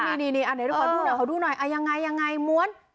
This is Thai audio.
อันไหนเอาเขาดูหน่อยเอายังไงมวด